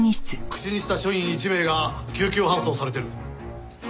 口にした所員１名が救急搬送されてる。